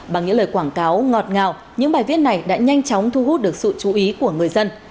bằng những lời quảng cáo ngọt ngào những bài viết này đã nhanh chóng thu hút được sự chú ý của người dân